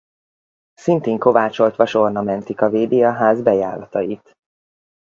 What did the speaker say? Szintén kovácsoltvas ornamentika védi a ház bejáratait.